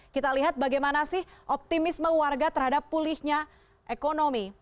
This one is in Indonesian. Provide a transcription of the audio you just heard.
kita lihat bagaimana sih optimisme warga terhadap pulihnya ekonomi